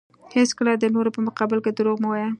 هیڅکله د نورو په مقابل کې دروغ مه وایه.